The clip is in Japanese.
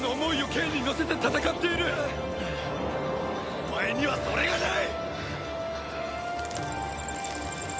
お前にはそれがない！